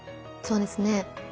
そうですね。